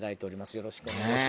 よろしくお願いします